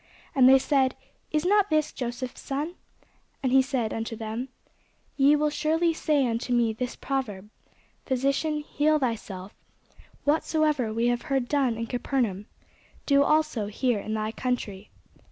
And they said, Is not this Joseph's son? And he said unto them, Ye will surely say unto me this proverb, Physician, heal thyself: whatsoever we have heard done in Capernaum, do also here in thy country.